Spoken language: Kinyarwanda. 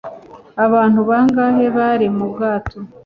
abantu bangahe bari mu bwato